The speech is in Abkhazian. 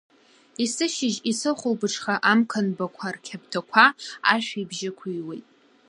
Есышьыжь, есыхәылбыҽха Амқанбақәа рқьаԥҭақәа ашәи бжьы ықәыҩуеит.